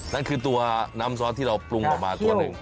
นั่นคือตัวน้ำซอสที่เราปรุงออกมาตัวหนึ่ง